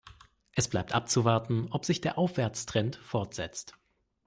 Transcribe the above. Es bleibt abzuwarten, ob sich der Aufwärtstrend fortsetzt.